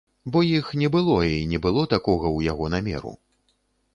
Бо іх не было і не было такога у яго намеру.